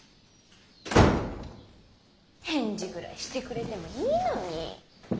返事ぐらいしてくれてもいいのに。